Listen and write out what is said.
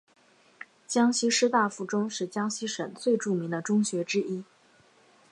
江西师大附中是江西省最著名的中学之一。